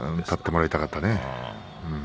勝ってもらいたかったね。